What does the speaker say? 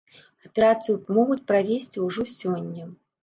Аперацыю могуць правесці ўжо сёння.